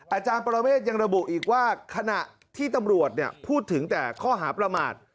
อาจารย์ปรเมฆยังระบุอีกว่าขณะที่ตำรวจพูดถึงแต่ข้อหาประมาท